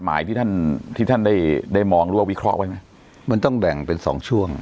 มันต้องแด่งเป็นสองช่วง